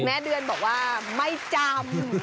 เดือนบอกว่าไม่จำ